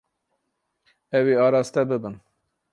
Ew ê araste bibin.